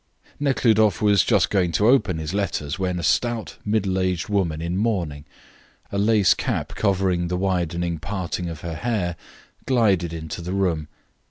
Nekhludoff was just going to open his letters, when a stout, middle aged woman in mourning, a lace cap covering the widening parting of her hair, glided into the room.